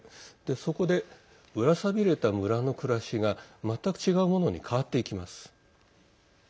そこで、うら寂れた村の暮らしが全く違うものに変わっていきます。